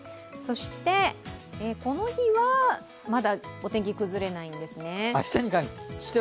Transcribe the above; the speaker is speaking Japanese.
そしてこの日はまだお天気、崩れないんですね。